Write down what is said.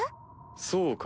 そうか？